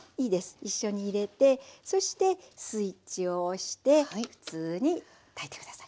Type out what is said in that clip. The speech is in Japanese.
一緒に入れてそしてスイッチを押して普通に炊いて下さい。